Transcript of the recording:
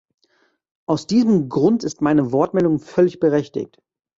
Aus diesem Grund ist meine Wortmeldung völlig berechtigt.